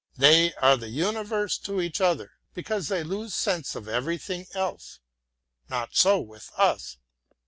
They are the universe to each other, because they lose sense for everything else. Not so with us.